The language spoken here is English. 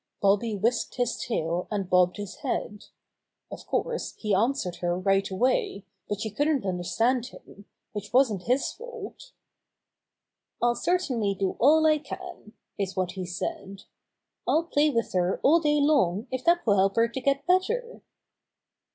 Bobby whisked his tail, and bobbed his head. Of course, he an swered her right away, but she couldn't un derstand him, which wasn't his fault. "I'll certainly do all I can," is what he said. "I'll play with her all day long if that will help her to get better."